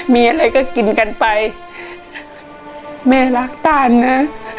มีอะไรก็กินกันไปแม่รักต้านนะ